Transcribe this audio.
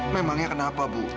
memangnya kenapa bu